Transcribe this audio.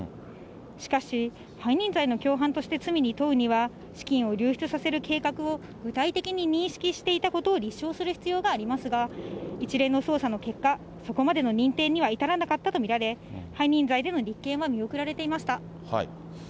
しかし、背任罪の共犯として罪に問うには、資金を流出させる計画を具体的に認識していたことを立証する必要がありますが、一連の捜査の結果、そこまでの認定には至らなかったと見られ、背任罪での立件は見送られていました。